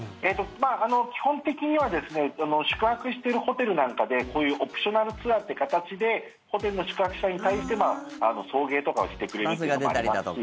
基本的には宿泊しているホテルなんかでこういうオプショナルツアーって形でホテルの宿泊者に対して送迎とかをしてくれるっていうのもありますし。